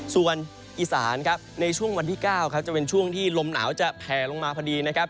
ส่วนอีสานครับในช่วงวันที่๙ครับจะเป็นช่วงที่ลมหนาวจะแผลลงมาพอดีนะครับ